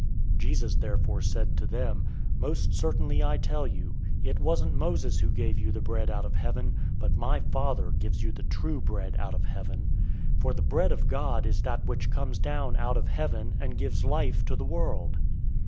'"{Exodus 16:4; Nehemiah 9:15; Psalm 78:24 25} 006:032 Jesus therefore said to them, "Most certainly, I tell you, it wasn't Moses who gave you the bread out of heaven, but my Father gives you the true bread out of heaven. 006:033 For the bread of God is that which comes down out of heaven, and gives life to the world."